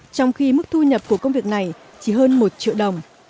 trong khi mức thu nhập của công việc này chỉ hơn một triệu đồng